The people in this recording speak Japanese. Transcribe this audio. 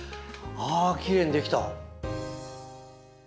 あきれいにできた。